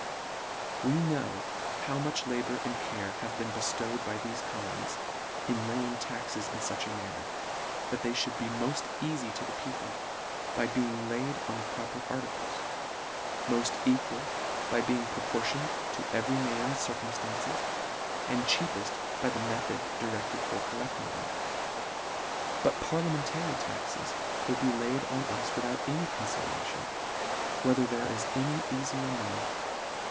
We know how much labour and care have been beftowed by thefe colonies, in lay ing taxes in fuch a manner, that they mould be molt eafy to the people, by being laid on the proper articles ; mod equal, by being proportioned to every man's circumstances ; and cheapeft by the method directed for collecting them. ii2 LETTER X. But parliamentary taxes will be laid on us without any coniideration, whether there is any easlier mode.